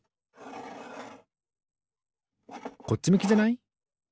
こっちむきじゃない？